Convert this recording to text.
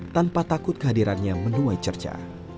tanpa takut kehadirannya menuai cerca